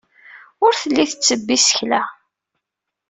Ur telli tettebbi isekla.